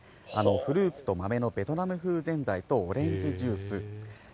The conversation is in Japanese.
フルーツと豆のベトナム風ぜんざいとオレンジジュース。